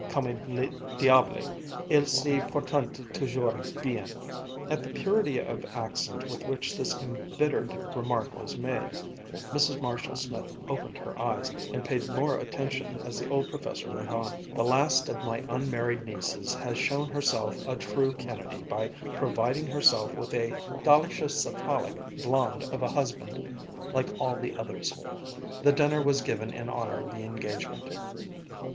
Comme le diable, ils se portent toujours bien." At the purity of accent with which this embittered remark was made, Mrs. Marshall Smith opened her eyes, and paid more attention as the old professor went on. "The last of my unmarried nieces has shown herself a true Kennedy by providing herself with a dolichocephalic blond of a husband, like all the others. The dinner was given in honor of the engagement."